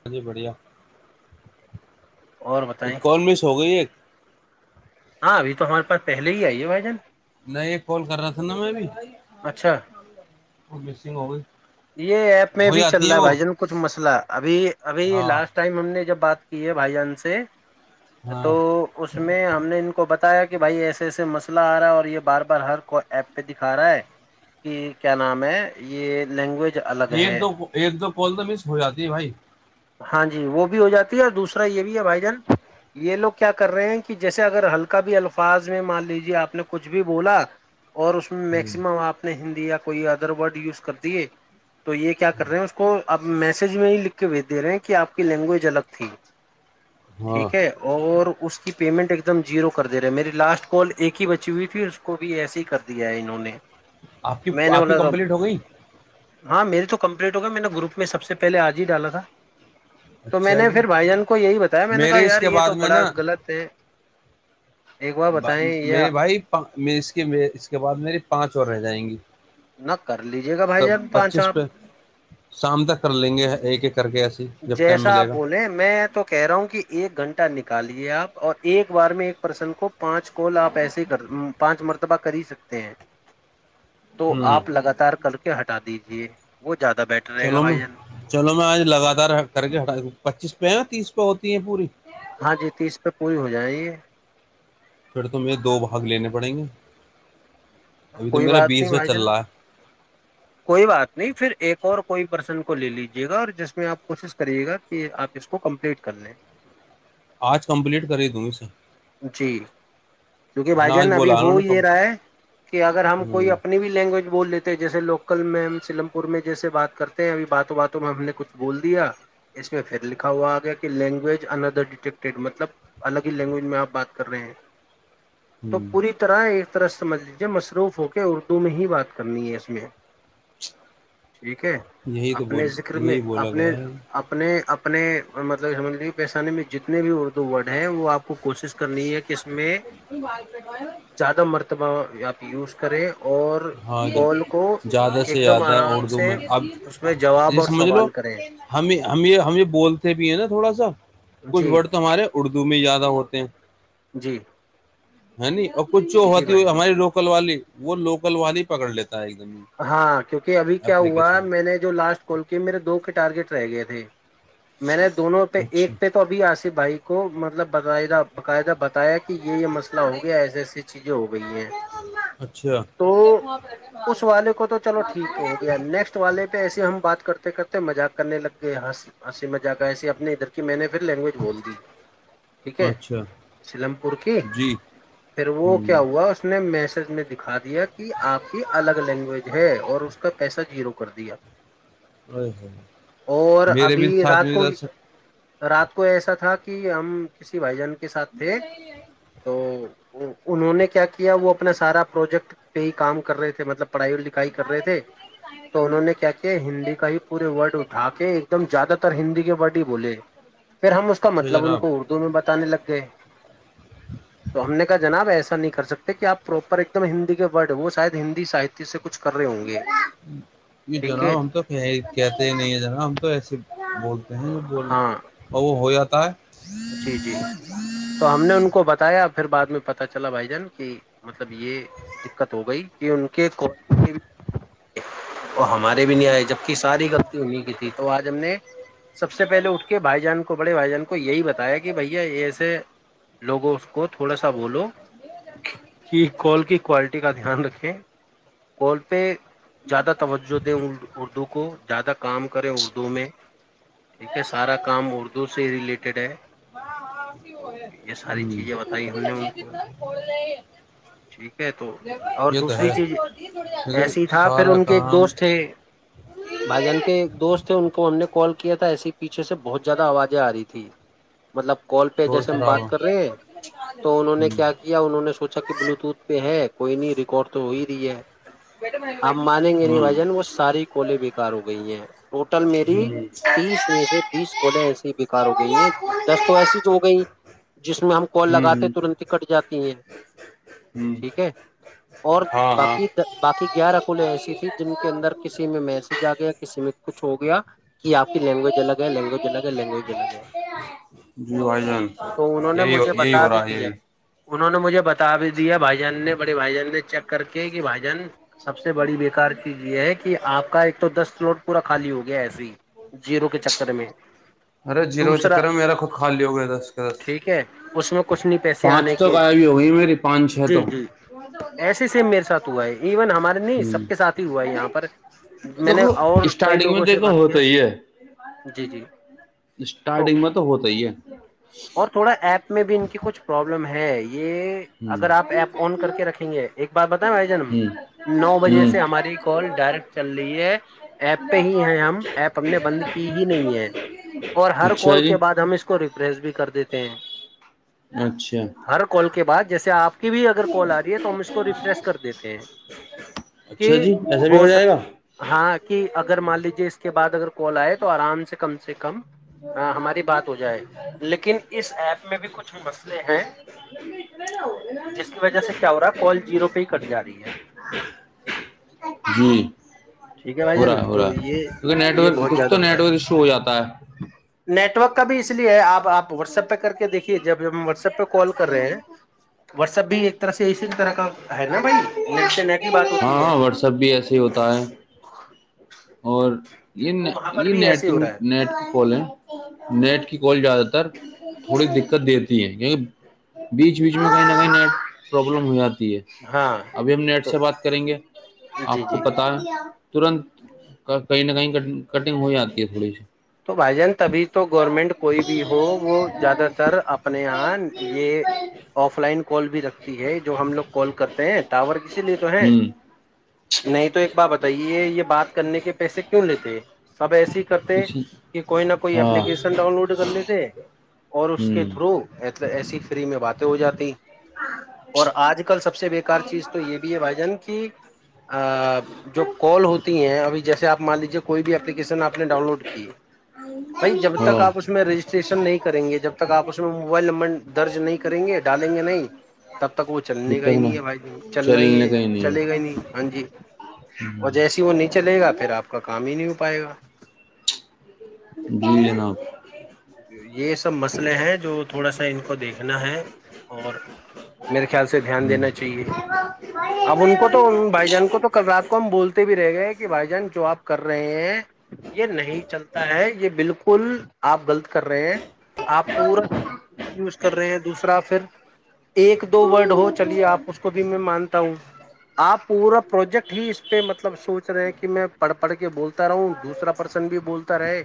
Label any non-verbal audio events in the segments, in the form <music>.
ہاں جی بڑھیا اور بتائیں اکانمیس ہو گئی ایک <unintelligible> ہاں ابھی تو ہمارے پاس پہلے ہی آئی ہے بھائی جان نہیں ایک کال کر رہا تھا نا میں بھی اچھا اور مسنگ ہو گئی <unintelligible> یہ ایپ میں ہو بھی چل جاتی رہا ہے وہ بھائی جان کچھ مسئلہ ابھی ابھی ہاں لاسٹ ٹائم ہم نے جب بات <unintelligible> کی ہے بھائی جان سے <unintelligible> ہاں تو اس میں ہم نے ان کو بتا کہ بھائی ایسے ایسے مسئلہ آ رہا ہے اور یہ بار بار ہر کو ایپ پہ دکھا رہا ہے کہ کیا نام ہے یہ <unintelligible> لینگویج <unintelligible> ایک ہے دو ایک دو کال تو مس ہو جاتی ہے بھائی ہاں جی وہ بھی ہو جاتی ہے اور دوسرا یہ بھی ہے بھائی جان یہ لوگ کیا کر رہے ہیں کہ جیسے اگر ہلکا بھی الفاظ میں مان لیجے آپ نے کچھ بھی بولا اور اس میں میکسیمم آپ نے ہندی <unintelligible> کوئی ادر وارڈ یوز کرتا <unintelligible> دیے <unintelligible> تو یہ کیا کر رہے ہیں اس کو آپ میسج میں لکھ <unintelligible> دے رہے ہیں کہ آپ کی لینگویج الگ تھی <unintelligible> ہاں ٹھیک ہے اور اس کی پیمنٹ ایک دم زیرو کر دے رہے ہے میری لاسٹ کال ایک ہی بچی ہوئی تھی اس کو بھی ایسے ہی کر دیا ہے انہوں نے <unintelligible> آپ کی میں نے آپ کی بولا تھا کمپلیٹ ہو گئی ہاں میری تو کمپلیٹ ہوگی میں نے گروپ میں سب سے پہلے آج ہی ڈالا تھا تو میں اچھا نے جی پھر بھائی جان کو یہی بتایا میں نے کہا میرے اس یار کے یہ بعد تو میں بڑا نا غلط ہے ایک بار بتائیں یہ میرے بھائی اس اس کے بعد میری پانچ اور رہ جائیں گی نہ کر لیجیے گا بھائی تب جان پانچ پچیسو آپ پہ شام تک کر لیں گے ایک ایک کر کے ایسی جب ٹائم ایسا ملے آپ گا بولیں میں تو کہہ رہا ہوں کہ ایک گھنٹے نکالے آپ اور ایک بار میں ایک پرسن کو پانچ کال آپ ایسے کر پانچ مرتبہ کر ہی سکتے ہیں تو ہوں آپ لگاتار کر کے ہٹ بتا دیجے وہ زیادہ بیٹر رہے گا چلو میں بھائی جان چلو میں آج لگاتار کر کے ہٹا د پچیس پہ ہے یا تیس تو ہوتی ہیں پوری ہاں جی تیس پہ پوری ہو جائے پھر تمیں دو بھاگ لینے پڑیں گے ابھی تو کوئی میرا بات نہیں بیسواں بھائی جن چل رہا ہے کوئی بات نہیں پھر ایک اور کوئی پرسن کو لے لیجیے گا اور جس میں آپ کوشش کریے گا کہ آپ اس کو کمپلیٹ کر لیں آج کمپلیٹ کر ہی دوں اسے جی کیونکہ ہے بھائی نا آج جان ابھی بولا انہوں ہو نے کم یہ رہا ہے کہ اگر ہم کوئی ہوں اپنی بھی لینگویج بولےتےے جیے لو کل میں ہم سلم پور میں جیسے بات کرتے ہیں ابھی باتوں باتوں میں ہم نے کچھ بول دیا اس میں پھر لکھا ہوا آ گیا کہ لینگویج اندر ڈٹیکٹیڈ مطلب الگ ہی لینگویج میں آپ بات کر رہے ہیں تو ہوں پوری طرح ہے طرح سمجھ مصروف ہو کے اردو میں ہی بات کرنی ہے اس میں ٹھیک ہے یہی تو اپنے بول ذکر میں یہی بولا اپنے گیا ہے اپنے اپ اپنے اور مطلب سمجھ لج پیشانے میں جتنے بھی اردو ورڈ ہیں وہ آپ کو کوشش کرنی ہے کہ اس میں زیادہ مرتبہ آپ یوز کریں اور ہاں کال کو زیادہ سے ایک دم زیادہ آرام اردو سے میں اب اس میں یہ جواب اور سمجھ لو سوال کریں ہم ہم ہم یہ بولتے بھی ہیں نا تھوڑا سا کچھ جی ورڈ تو ہمارے اردو میں ہی زیادہ ہوتے ہیں جی ہ ن <unintelligible> کچھ چ جی ہوتی بھائی ہوئی جان ہماری روکل والی وہ لوکل وانی پکڑ لیتا ہے ایک دم ہاں کیونکہ ابھی کیا ہوا اپلیکیشن میں نے جو لاسٹ کال کی میرے دو کے ٹارگیٹ رہ گئے تھے میں نے دونوں پہ اچھا ایک پہ تو ابھی آص بھائی کو مطلب بتاا بقاعد ب چیزیں ہو گئی ہیں اچھا دیک تو <unintelligible> اس والے کو تو چلو ٹھیک ہو گیا نیکسٹ والے پہ ایسے ہم بات کرتے کرتے مذاق کرنے لگ گئے ہنسی مذاق ایسی اپنے ادھر کی میں نے لینگویج بول دی ٹھیک ہے اچھا سیلم پور کی جی پھر وہ کیا ہوں ہوا اس نے میس نے دکھا دیا کہ آپ کی الگ لینگویج ہے اور اس کا پیسہ جیرو کر دیا ا اور میرے ابھی بھی سات رات بھی کو درک رات کو ایسا تھا کہ ہم کسی بھائی جان کے ساتھ تھے تو انہوں نے کیا کیا وہ اپنا سارا پروجیکٹ پہ ہی کام رہے تھے مطلب پڑھائی لکھائی کر رہے تھے تو انہوں نے کیا کیا ہندی کا ہی پورے ورڈ اٹھا کے ایک دم زیادہ تر ہندی کے ورڈ ہی بولے پھر ہم اس کا اچھا مطلب ان جناب کو اردو میں بتانے لگ گئے تو ہم نے کہا جناب ایسے نہیں کر سکتے کہ آپ پراپر ایک دم ہندی کے وہ ساید <unintelligible> ہندی ساہتیہ سے کچھ کر رہے ہوں گے یہ ٹھیک ہے جناب ہم تو کہتے نہیں ہے جناب ہم تو ایسی بولتے ہیں ج بول ہاں وہ ہو جاتا آ <inaudible> جی جی تو ہم نے ان کو بتایا پھر بع میں پتا چلا بھائی جان کی مطلب یہ دقت ہو گئی کہ ان کے ہمارے بھی نہیں آئے جبک ساری غلط انہیں کی تھی تو آج ہم نے سب سے پہلے اٹھ کے بھائی جان کو بڑے بھائی جان کو یہی بتا بتایا کہ بھیا یہ ایسے لوگوں اس کو تھوڑا سا بولو کہ کال کی کوالٹی کا دھیان رکھیں کال پہ زیادہ توجہ دیں اردو کو زیادہ کام کریں اردو میں ٹھیک ہے سارا کام اردو سے ریلیٹڈ ہے تو یہ ساری چیزیں بتائی ہم نے ان کو ل ہی <unintelligible> ٹھیک ہے تو اور دوسری چیز ہے ایسی تھا پھر سارا ان کے ایک کام دوست تھے بھائی جان کے ایک دوست تھے ان کو ہم نے کال کیا تھا ایس پیچھے سے بہت زیادہ آوازیں آ رہی تھیں مطلب کال پہ شور جیسے ہم شرابہ بات ہوں کر رہے ہیں تو انہوں نے کیا کیا انہوں نے سوچا بلوٹوت پہ ہے کوئی نہیں ریکارڈ تو ہو ہی رہی ہے ہمب مانیں گے نہیں ہوں وجن وہ ساری کولے بھی ہو گئی ہیں ٹوٹل میرری تیس میں سے بیس کو کوولیں ایسی ہی بکار ہو گئی ہیں دس تو ایسی چ ہو گئی جس میں ہم کال ہوں لاتے ہیں ہوں ترنت ہی کٹ جاتی ہیں ہوں ٹھیک ہے اور ہاں ہاں باقی باقی گیارہ اکوولے ایسی تھی جن کے اندر کسی میں میسج آ گیا کسی میں کچھ ہو گیا کہ آپ کی لینگویج الگ ہے لینگویج الگ ہے لینگویج الگ ہے جان تو انہوں نے یہی مجھے یہی بتا ہو بھی رہا ہے دیا یہی انہوں نے مجھے بتا بھی دیا بھائی جان نے بڑے بھائی جان نے چیک کر کے کہ بھائی جان سب سے بڑی بےیکار چیز یہ ہے کہ آپ کا ایک تو دس فلٹ پورا خالی ہو گیا ایسے ہی زیرو کے چکر میں ارے جییرو دوسرا چکر ہے میرا خود کھا لیا ہو گیا دس کے دس ٹھیک ہے اس میں کچھ نہیں پیسے آنے پانچ تو کے غائب ہی ہو گئی میری پانچ چھ تو جی جی ایسے سیم میرے ساتھ ہوا ہے ایون ہمارے نہیں ہوں سب کے ساتھ ہی ہوا ہے یہاں پر میں نے دیکھو اور کئی اسٹارٹنگ میں لوگوں سے دیکھو بات ہوتا کیا ہی ہے جی جی اسٹارٹنگ میں تو ہوتا ہی ہے اور تھوڑا ایپ میں بھی ان کی کچھ پرابلم ہے یہ اگر آپ ایپ آن کر کے رکھیں گے ایک بار بتائیں بھائی جان نو بجے سے ہماری کال ڈائریکٹ چل رہی ہے ایپ پہ ہی ہیں ہم ایپ ہم نے بند کی ہی نہیں ہے اور ہر اچھا کال جی کے بعد ہم اس کو ریپریس بھی کر دیتے ہیں اچھا ہر کال کے بعد جیسے آپ بھی اگر کال آ رہی ہے تو ہم اس کو ریفریش کر دیتے ہیں کہ اچھا جی ایسا بھی ہو جائے سک گا ہاں کہ اگر مان لیجیے اس کے بعد اگر کال آئے تو آرام سے کم سے کم کم ہاں ہماری بات ہو جائے لیکن اس ایپ میں بھی کچھ مسئلے ہیں جس کی وجہ سے کیا ہو رہا ہے کال جیرو پہ ہی کٹ جا رہی ہے جی ٹھیک ہے بھائی ہو رہا جان ہو تو رہا ہے یہ کیونکہ نیٹ یہ ورک بہت کچھ زیادہ تو ہو رہا نیٹ ورک ہے ایشو ہو جاتا ہے نیٹورک کا بھی اس لیے ہے آپ آپ واٹسپ پہ کر کے دیکھیے جب ہم واٹس ایپ پہ کال کر رہے ہیں واٹسپ بھی ایک طرح سے اسی طرح کا ہے نا بھائی نیٹ سے نیٹ کی بات ہاں ہوتی ہے ہاں واٹس ایپ بھی ایسے ہی ہوتا ہے اور تو یہ وہاں پر یہ بھی ایسے نیٹگ ہو رہا ہے نیٹ کی کالیں نیٹ کی کال زیادہ تر تھوڑی دقت دی دی ہے کیہ بیچ بیچ میں کہیں نہ کہیں نیٹ پروابلم ہو جاتی ہاں ابھی ہم نیٹ تو سے بات کریں گے جی آپ کو جی پتا ہے ترنت کہیں نہ کہیں ک کٹنگ ہو جاتی ہے تھوڑی سی تو بھائی جان تبھی تو گورنمنٹ کوئی بھی ہو وہ زیادہ تر اپنے یہاں یہ آف لائن کال بھی رکھتی ہے جو ہم لوگ کال کرتے ہیں ٹاور کسی لیے تو ہے سی ہوں نہیں تو ایک بات بتائیے یہ بات کرنے کے پیسے کیوں لیتے ہیں سب کرتے اچ کوئی نہ کوئی اپپلیکیشن ہاں ڈاؤن لوڈ کر لیتے اور اس ہوں کے تھرو ایس مطلب ایسی فری میں باتیں ہو جاتییں اور آج کل سب سے بیکار چیز تو یہ بھی ہے بھائی جان کی جو کال ہوتی ہیں ابھی جیسے آپ مان لیجیے کوئی بھی اپلیکیشن آپ نے ڈاؤن لوڈ کی بھائی جب تک ہاں آپ اس میں رجسٹریشن نہیں کریں گے جب تک آپ اس میں موبائل نمبر درج نہیں کریں گے ڈالیں گے تب تک وہ چلنے جب کا ہی تک نا نہیں ہے بھائی ج چلنا ہی ہے چلے گا ہی نہیں ہاں جی اور ہے جیسی وہ نہیں چلے گا پھر آپ کا کام ہی نہیں ہو پائے گا جی جناب یہ سب مسئلے ہیں جو تھوڑا سا ان کو دیکھنا ہے اور میرے خیال سے دھیان ہوں دینا چاہیے اب ان کو تو ان بھائی جان کو تو کل رات کو ہم بولتے بھی رہ گئے کہ بھائی جان جو آپ کر ر یہ نہیں چلتا ہے یہ بالکل کل آپ غلط کر رہے ہیں آپ پورا یوز کر رہے ہیں دوسرا پ ایک دو ورڈ ہو چلیے آپ اس کو بھی میں مانتا ہوں آپ پورا پروجیکٹ ہی اس پہ مطلب سوچ رہے ہیں کہ میں پڑھ پڑھ کے بولتا رہا ہوں دوسرا پرسن بھی بولتا رہے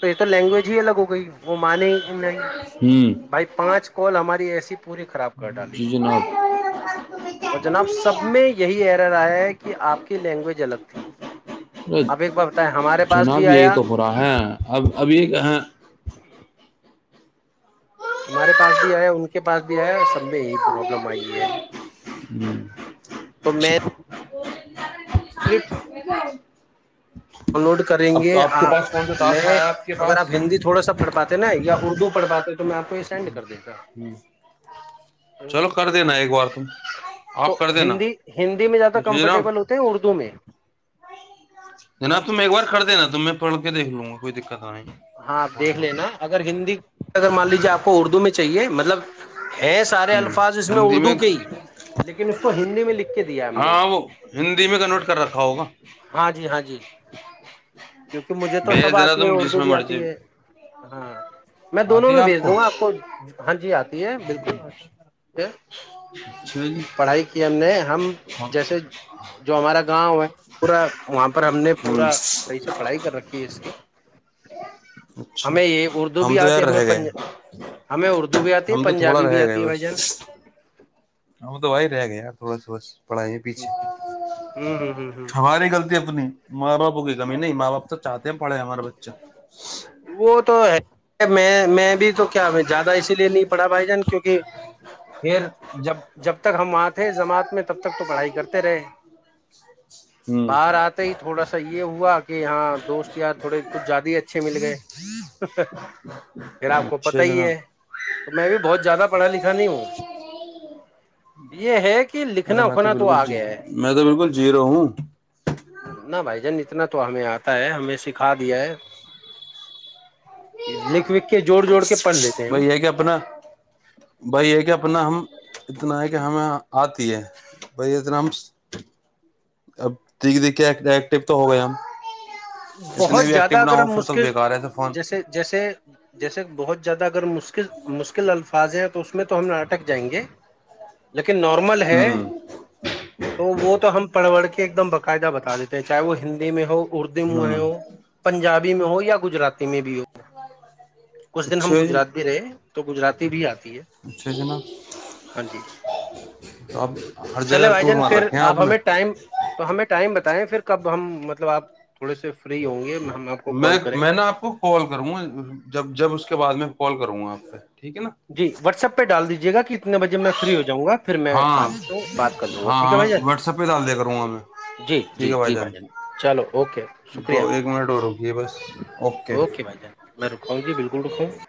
تو یہ تو لینگویج ہی الگ ہوگا گئی وہ مان نہیں جی بھائی پانچ کو کال ہماری اے سی پوری خراب کر ڈالی جناب اور جناب سب میں یہی ہے رہایا ہے کہ آپ کی لینگویج الگ تھی ا اب ایک بار بتائیں ہمارے پاس جناب بھی یہی آیا تو ہو رہا ہے اب اب یہ کہ ہمارے پاس بھی آیا ان کے پاس بھی آیا سب میں یہی پرابلم آئی ہے تو میں <unintelligible> <unintelligible> لوڈ کریں اب تو گے کے آپ پاس کون سا ٹاسک میں آیا ہے کے اگر آپ پاس ہندی تھوڑا سا پڑھ پاتے نا یا اردو پڑھاتے تو میں آپ کو یہ سین دیتا چلو کر دینا ایک بار تم تو آپ کر دینا ہندی ہندی میں زیادہ جی جناب کمفرٹیبل ہوتے ہیں اردو میں جناب تم ایک بار کر د نا تو میں پڑ کے دیکھ لوں گا کوئی د ہاں آپ دیکھ لینا اگر ہندی اگر مان لیجیے آپ کو اردو میں چاہیے مطلب ہے سارے الفاظ اس میں اردو کے ہی لیکن اس کو ہندی میں لکھ کے دیا ہم نے ہاں وہ ہندی میں کنورٹ کر رکھا ہوگا ہاں جی ہاں جی کیونکہ مجھے تو بھیج سب دینا آتی ہے تم جس اردو میں بھی مرضی آتی ہے ہاں میں دونوں میں بھیج دوں گا آپ کو ہاں جی آتی ہے بالکل اچھا جی پڑھائی کی ہم نے ہم جیسے ہوں جو ہمارا گاؤں ہے پورا وہاں پہ پر ہم نے پورا پیچے پڑھائی کر رکھی ہے اس کی اچھا ہمیں یہ اردو ہم بھی تو آتی یار ہمیں رہ گئے ہمیں اردو بھی آتی ہے ہم تو تھوڑا پنجابی بھی رہ گئے آتی ہے بھائی جان بس ہم تو وہی رہ گیا تھوڑا سا بس پڑائیے پیچھے ہوں ہ ہ ہ ہماری غلط اپنی مارا پگی <unintelligible> نہیں ماں با تواہتے پڑھے ہمارے بچے اچھا <unintelligible> وہ تو میں میں بھی تو کیا زیادہ اسی لیے نہیں پڑھا بھائی جان کیونکہ پھر جب جب تک ہم وہاں تھے جماعت میں تب تک تو پڑھائی کرتے رہے ہوں باہر آتے ہی تھوڑا سا یہ ہوا کہ کہ یہاں دوست ار تھوڑے کچھ زیادہ ہی اچھے مل گئے <unintelligible> پھر آپ کو اچھا پتا ہی جناب ہے تو میں بھی بہت زیادہ پڑھا لکھا نہیں ہوں یہ ہے کہ ارے لکھنا میں تو اکھنا بالکل آ جی گیا ہے میں تو بالکل جی رہو ہوں نہ بھائی جان اتنا تو ہمیں آتا ہے ہمیں سکھا دیا ہے لکھ وک کے جوڑ جوڑ کے پڑھ لیتے ہیں ہم بھائی یہ کہ اپنا بھائی یہ کہ اپنا ہم اتنا ہے کہ ہمیں آتی ہے بائی اتنا ہم اب دیک دیکھ کے ایکٹو تو ہو گئے ہم اتنے بہت بھی زیادہ ایکٹو نہ اگر ہو ہم پھر تو مشکل بےیکار ہے تو فون جیسے جیسے جیسے بہت جد کر م <unintelligible> اس مشکل الفاظ ہیں تو اس میں تو ہم ناٹک جائیں گے لیکن نارمل ہے ہوں تو وہ تو ہم پڑوڑ کے ایک دم باعدہ بتا دیتے ہیں چاہے وہ ہندی میں ہو م ہوں ہو پنجابی میں ہو یا گجرات میں بھی ہو کچھ دن ہم اچھا جی گجرات بھی رہے تو گجرات بھی آتی ہے اچھا جناب ہاں جی تو آپ ہر چلے جگہ بھائی ٹور جان مار پھر رکھے ہیں آپ نے ہمیں ٹائم تو ہمیں ٹائم بتا بتائ پھر کب ہم مطلب آپ سے فری ہوں گے ہم آپ کو میں کال کریں میں نا آپ کو کال کروں گا جب جب اس اس کے بع میں کال کروں گا آپ پہ ٹھیک ہے نا جی واٹس ایپ پہ ڈال دیجیے گا کتنے بجے میں فری ہو جاں گا پھر میں ہاں آپ سے بات کر لوں گا ہاں ٹھیک ہے ہاں بھائی جان واٹسپ پہ ڈال دیا کروں گا میں جی جی جی بھائی جان چلو اوکے شکریہ تو ایک منٹ اور رکیے بس اوکے بھائی جان میں رکاؤں جی بالکل رکاؤں <unintelligible>